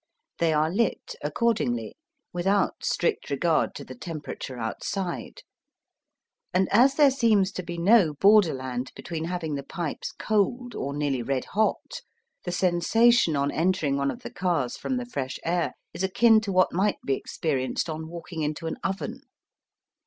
They are lit accordingly, without strict regard to the temperature outside, and as there seems to be no borderland between having the pipes cold or nearly red hot, the sensation on entering one of the cars from the fresh air is akin to what might be experienced on walking into an oven.